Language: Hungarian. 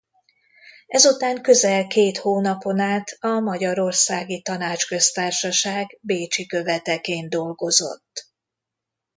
Ezután közel két hónapon át a Magyarországi Tanácsköztársaság bécsi követeként dolgozott.